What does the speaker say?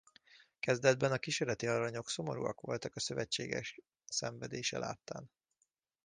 Kezdetben a kísérleti alanyok szomorúak voltak a szövetséges szenvedése láttán.